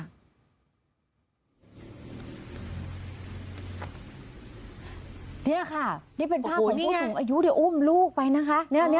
นี่ค่ะนี่เป็นภาพของผู้สูงอายุที่อุ้มลูกไปนะคะ